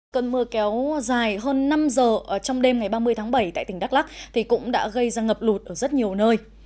cơn mưa kéo dài hơn năm giờ trong đêm ngày ba mươi tháng bảy tại tỉnh đắk lắc thì cũng đã gây ra ngập lụt ở rất nhiều nơi